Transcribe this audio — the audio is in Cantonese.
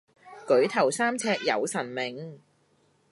舉頭三尺有神明